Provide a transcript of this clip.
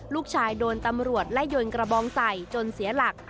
ลูกชายโดนตำรวจไล่ยนกระบองใส่จนเสียหลัก